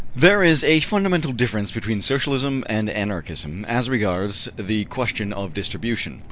There is a fundamental difference between Socialism and Anarchism as regards the question of distribution.